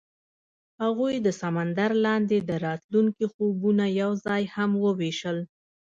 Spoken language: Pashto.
هغوی د سمندر لاندې د راتلونکي خوبونه یوځای هم وویشل.